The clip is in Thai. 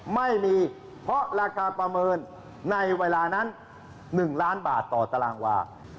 ไม่มีเพราะราคาประเมินในเวลานั้น๑ล้านบาทต่อตารางวา